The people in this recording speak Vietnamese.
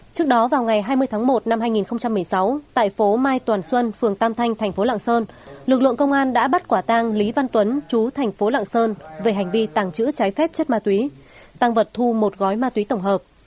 trước đó vào ngày hai mươi tháng một năm hai nghìn một mươi sáu tại phố mai toàn xuân phường tam thanh thành phố lạng sơn lực lượng công an đã bắt quả tang lý văn tuấn chú thành phố lạng sơn về hành vi tàng trữ trái phép chất ma túy tăng vật thu một gói ma túy tổng hợp